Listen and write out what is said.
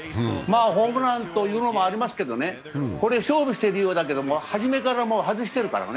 ホームランというのもありますけど、これ勝負しているようだけれども、初めから外しているからね。